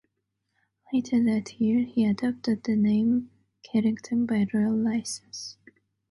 Later that year he adopted the name Carrington by Royal Licence.